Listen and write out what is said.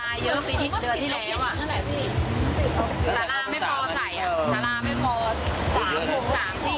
ตายเยอะกว่าที่เดือนที่แล้วอ่ะเนื้อมันพอใส่